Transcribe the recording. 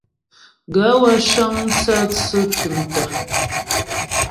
Gaê wə́ cə́ŋ mtsə́tsʉ̂ tʉ̀mtə̀.